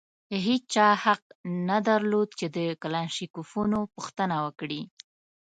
هېچا حق نه درلود چې د کلاشینکوفونو پوښتنه وکړي.